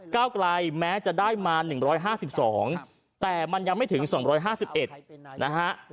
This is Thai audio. ก้าวไกลแม้จะได้มา๑๕๒แต่มันยังไม่ถึง๒๕๑นะฮะ